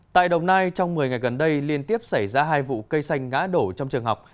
tại đồng nai trong một mươi ngày gần đây liên tiếp xảy ra hai vụ cây xanh ngã đổ trong trường học